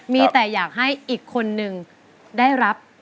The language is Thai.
มีแต่อยากให้อีกคนนึงได้รับ